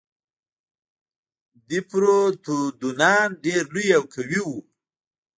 ديپروتودونان ډېر لوی او قوي وو.